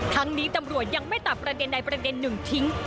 ทั้งนี้ตำรวจยังไม่ตัดประเด็นใดประเด็นหนึ่งทิ้ง